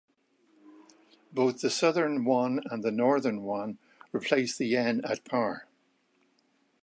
Both the Southern won and the Northern won replaced the yen at par.